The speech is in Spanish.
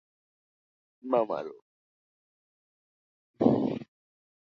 Es especialista en las sociedades de Oceanía.